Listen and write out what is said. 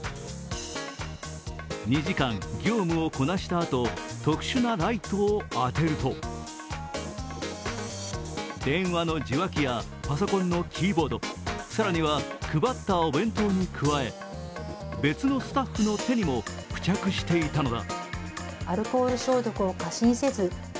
２時間、業務をこなしたあと特殊なライトを当てると電話の受話器やパソコンのキーボード、更には配ったお弁当に加え、別のスタッフの手にも付着していたのだ。